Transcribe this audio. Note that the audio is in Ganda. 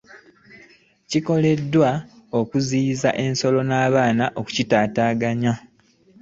Kikolebwa okuziyiza ensolo n’abaana okukitaataaganya.